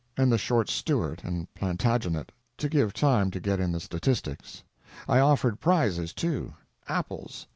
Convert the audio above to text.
and the short Stuart and Plantagenet, to give time to get in the statistics. I offered prizes, too—apples.